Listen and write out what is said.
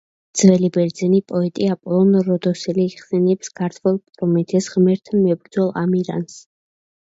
ძველი ბერძენი პოეტი აპოლონ როდოსელი იხსენიებს ქართველ პრომეთეს–ღმერთთანმებრძოლ ამირანს.